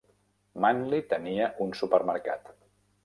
Manly tenia un supermercat.